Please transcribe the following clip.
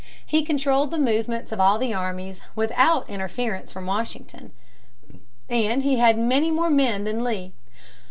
He controlled the movements of all the armies without interference from Washington, and he had many more men than Lee.